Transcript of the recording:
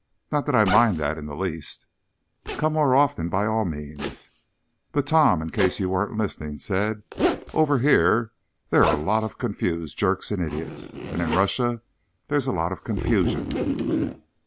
_ Not that I mind that in the least. Come more often, by all means. _But Tom, in case you weren't listening, said: "Over here there are a lot of confused jerks and idiots.... And in Russia there's a lot of confusion."